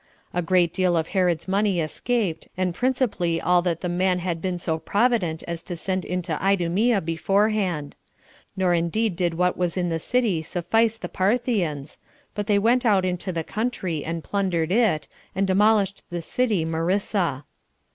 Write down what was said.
A great deal of Herod's money escaped, and principally all that the man had been so provident as to send into Idumea beforehand; nor indeed did what was in the city suffice the Parthians, but they went out into the country, and plundered it, and demolished the city Marissa.